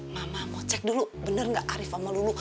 mama mau cek dulu bener gak arif mama dulu